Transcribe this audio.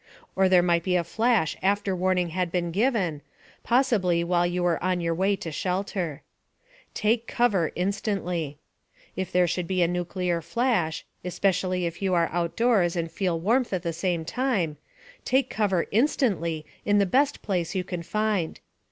Or there might be a flash after warning had been given, possibly while you were on your way to shelter. * TAKE COVER INSTANTLY. If there should be a nuclear flash especially if you are outdoors and feel warmth at the same time take cover instantly in the best place you can find.